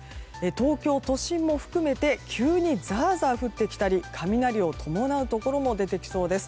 東京都心も含めて急にザーザー降ってきたり雷を伴うところも出てきそうです。